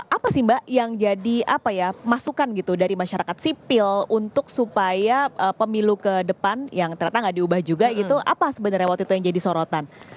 apa sih mbak yang jadi apa ya masukan gitu dari masyarakat sipil untuk supaya pemilu ke depan yang ternyata nggak diubah juga gitu apa sebenarnya waktu itu yang jadi sorotan